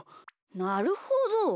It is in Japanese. なるほど。